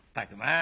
あ